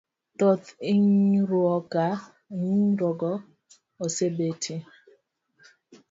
Thoth hinyruokgo osebetie